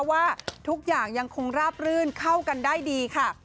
ว่าทุกอย่างยังคงราบรื่นเข้ากันได้ดีค่ะ